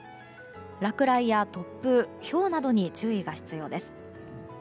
落雷や突風、ひょうなどに注意が必要です。